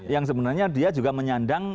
yang sebenarnya dia juga menyandang